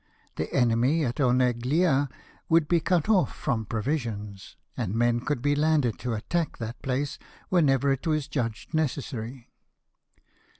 The enemy at Oneglia would be cut off from provisions, and men could be landed to attack that place whenever it was judged necessary.